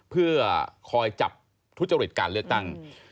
เพื่อคอยจับทุจริตการเลือกตั้ง